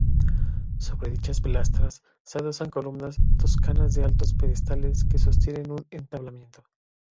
Sobre dichas pilastras se adosan columnas toscanas de altos pedestales que sostienen un entablamento.